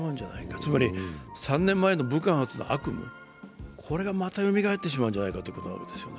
つまり、３年前の武漢発の悪夢、これがまたよみがえってしまうんじゃないかということがあるんですね。